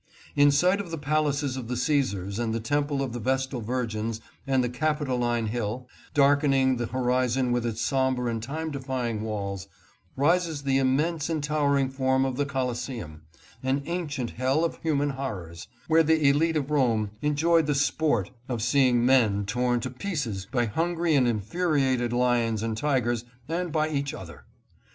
In sight of the palaces of the Caesars and the Temple of the Vestal Virgins and the Capitoline Hill, darkening the horizon with its somber and time defying walls, rises the immense and towering form of the Coliseum, — an ancient hell of human horrors, — where the elite of Rome enjoyed the sport of seeing men torn to pieces by hungry and infuriated lions and tigers and by each other.